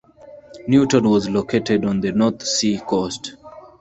Newton was located on the North Sea coast.